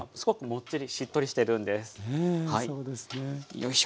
よいしょ。